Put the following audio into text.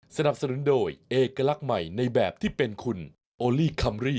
สนับสนุนโดยเอกลักษณ์ใหม่ในแบบที่เป็นคุณโอลี่คัมรี่